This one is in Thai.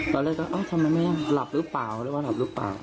ตอนแรกก็เอ้าทำไมไม่หลับหรือเปล่าหรือว่าหลับหรือเปล่า